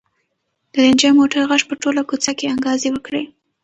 د رنجر موټر غږ په ټوله کوڅه کې انګازې وکړې.